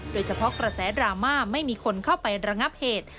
โดยเฉพาะกระแสดราม่าไม่มีคนเข้าไประงับเหตุ